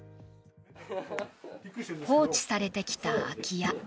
放置されてきた空き家。